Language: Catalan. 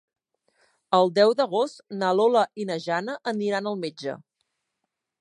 El deu d'agost na Lola i na Jana aniran al metge.